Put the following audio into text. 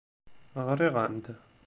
Ɣriɣ-am-d.